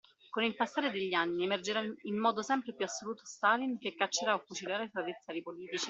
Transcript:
Con il passare degli anni emergerà in modo sempre più assoluto Stalin che caccerà o fucilerà i suoi avversari politici.